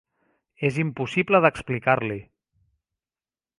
És impossible d'explicar-li.